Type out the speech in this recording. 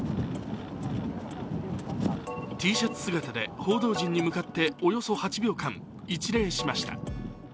Ｔシャツ姿で報道陣に向かっておよそ８秒間一礼しました。